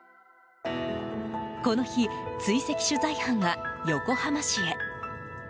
この日、追跡取材班は横浜市へ。